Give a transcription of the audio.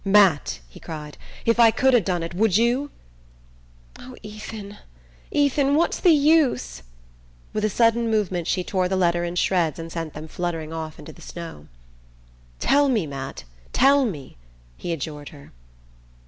"Matt " he cried; "if I could ha' done it, would you?" "Oh, Ethan, Ethan what's the use?" With a sudden movement she tore the letter in shreds and sent them fluttering off into the snow. "Tell me, Matt! Tell me!" he adjured her.